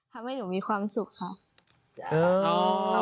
ทำให้หนูมีความสุขค่ะ